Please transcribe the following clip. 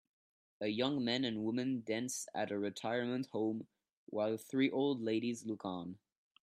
A young man and woman dance at a retirement home while three old ladies look on